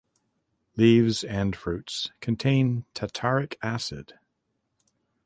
Leaves and fruits contains tartaric acid.